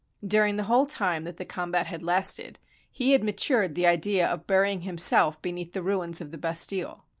During the whole time that the combat had lasted, he had matured the idea of burying himself beneath the ruins of the Bastille.